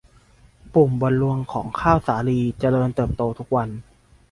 ปุ่มบนรวงของข้าวสาลีเจริญเติบโตทุกวัน